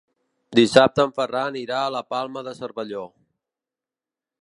Dissabte en Ferran irà a la Palma de Cervelló.